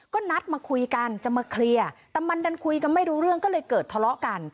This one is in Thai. ก็นัดมาคุยกันจะมาเคลียร์แต่มันดันคุยกันไม่รู้เรื่องก็เลยเกิดทะเลาะกัน